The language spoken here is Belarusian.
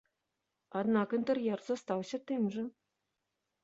Аднак інтэр'ер застаўся тым жа.